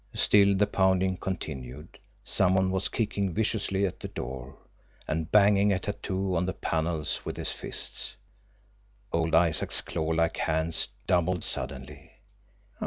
Still the pounding continued some one was kicking viciously at the door, and banging a tattoo on the panels with his fists. Old Isaac's clawlike hands doubled suddenly.